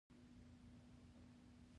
د ښځو حقوقو ته درناوی وکړئ